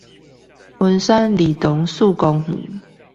文山兒童四公園